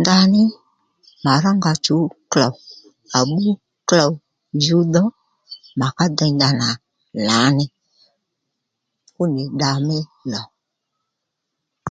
Ndaní mà rónga chǔw klôw à bbú klôw jǔw dho mà ká dey ndanà lǎní fúnì dda mí lò